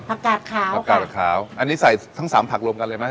ผักกาดขาวค่ะผักกาดขาวอันนี้ใส่ทั้งสามผักรวมกันเลยไหม